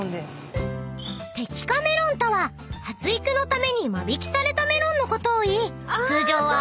［摘果メロンとは発育のために間引きされたメロンのことをいい通常は廃棄してしまうことが